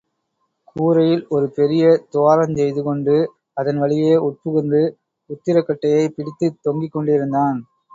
கூரையில் ஒரு பெரிய துவாரஞ்செய்து கொண்டு அதன் வழியே உட்புகுந்து உத்திரக்கட்டையைப் பிடித்துக் தொங்கிக் கொண்டிருந்தான்.